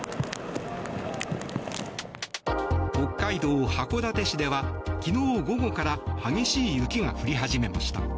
北海道函館市では昨日午後から激しい雪が降り始めました。